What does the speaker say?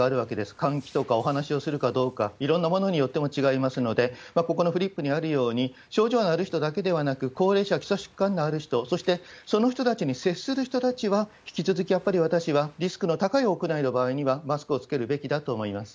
換気とかお話をするかどうか、いろんなものによっても違いますので、ここのフリップにあるように、症状のある人だけではなく、高齢者、基礎疾患のある人、そしてその人たちに接する人たちは、引き続きやっぱり私はリスクの高い屋内の場合にはマスクを着けるべきだと思います。